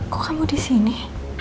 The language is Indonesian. kok kamu disini